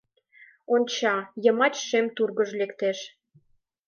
Онча, йымач шем тургыж лектеш.